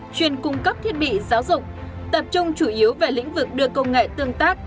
chuyên cung cấp thiết bị giáo dục tập trung chủ yếu về lĩnh vực đưa công nghệ tương tác